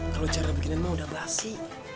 kalo cara bikinanmu udah basi